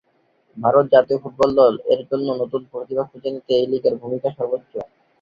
ভারত জাতীয় ফুটবল দল এর জন্য নতুন প্রতিভা খুঁজে নিতে এই লীগের ভূমিকা সর্বোচ্চ।